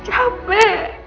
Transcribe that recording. capek aku pak